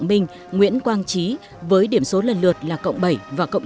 tổng mình nguyễn quang trí với điểm số lần lượt là cộng bảy và cộng chín